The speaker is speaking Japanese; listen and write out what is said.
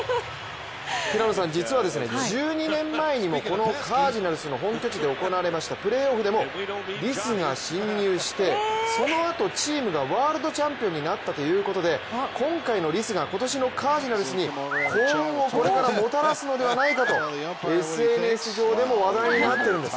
実は１２年前にもこのカージナルスの本拠地で行われましたプレーオフでもリスが侵入してそのあとチームがワールドチャンピオンになったということで今回のリスが今年のカージナルスに幸運をこれからもたらすのではないかとＳＮＳ上でも話題になってるんです。